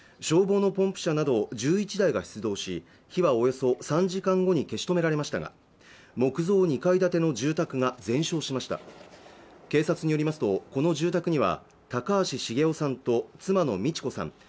消防のポンプ車など１１台が出動し火はおよそ３時間後に消し止められましたが木造２階建ての住宅が全焼しました警察によりますとこの住宅には高橋重雄さんと妻の美知子さん